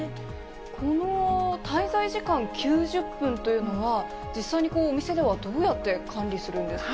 この滞在時間９０分というのは、実際にお店ではどうやって管理するんですか。